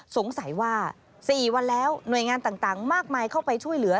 สงสัยว่า๔วันแล้วหน่วยงานต่างมากมายเข้าไปช่วยเหลือ